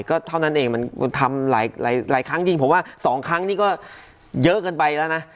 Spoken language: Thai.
ก็เท่านั้นเองมันทำหลายครั้งจริงผมว่า๒ครั้งนี้ก็เยอะเกินไปแล้วนะ